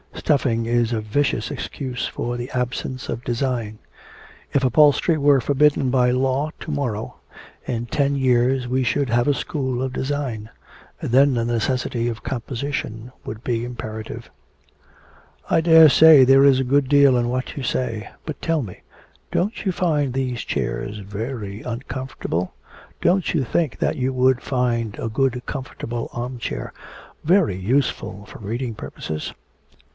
Stuffing is a vicious excuse for the absence of design. If upholstery were forbidden by law to morrow, in ten years we should have a school of design. Then the necessity of composition would be imperative.' 'I daresay there is a good deal in what you say; but tell me, don't you find these chairs very uncomfortable? Don't you think that you would find a good comfortable arm chair very useful for reading purposes?'